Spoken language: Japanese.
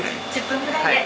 １０分ぐらいで。